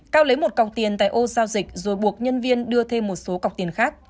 cao lấy một cọc tiền tại ô giao dịch rồi buộc nhân viên đưa thêm một số cọc tiền khác